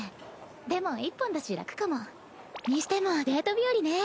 でも１本だし楽かも。にしてもデート日和ね。